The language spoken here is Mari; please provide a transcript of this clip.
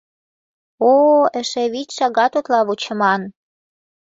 — О-о, эше вич шагат утла вучыман!